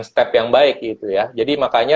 step yang baik gitu ya jadi makanya